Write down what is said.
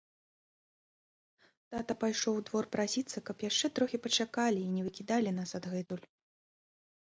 Тата пайшоў у двор прасіцца, каб яшчэ трохі пачакалі і не выкідалі нас адгэтуль.